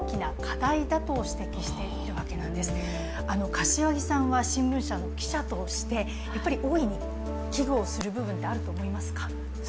柏木さんは新聞社の記者として大いに危惧する部分はあると思いますか？